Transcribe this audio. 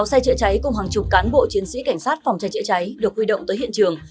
sáu xe chữa cháy cùng hàng chục cán bộ chiến sĩ cảnh sát phòng cháy chữa cháy được huy động tới hiện trường